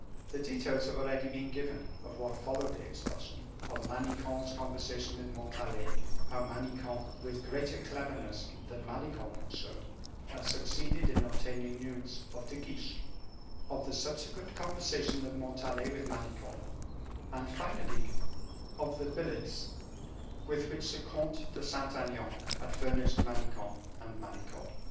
The details have already been given of what followed this expulsion; of Manicamp's conversation with Montalais; how Manicamp, with greater cleverness than Malicorne had shown, had succeeded in obtaining news of De Guiche, of the subsequent conversation of Montalais with Malicorne, and, finally, of the billets with which the Comte de Saint Aignan had furnished Manicamp and Malicorne.